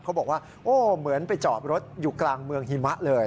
เขาบอกว่าโอ้เหมือนไปจอดรถอยู่กลางเมืองหิมะเลย